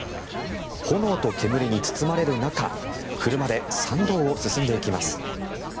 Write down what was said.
炎と煙に包まれる中車で山道を進んでいきます。